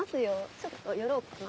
ちょっと寄ろうかな。